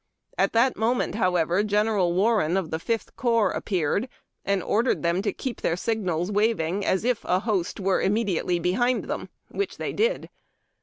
At that moment,' however. General Warren of the Fifth Corps appeared, and ordered them to keep their signals waving as if a host were immediately behind them, which they did.